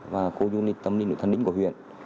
và khu unit tâm linh lực thân đỉnh của huyện